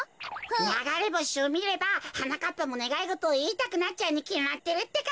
ながれぼしをみればはなかっぱもねがいごとをいいたくなっちゃうにきまってるってか。